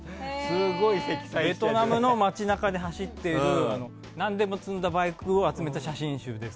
ベトナムの街中で走っている何でも積んだバイクを集めた写真集です。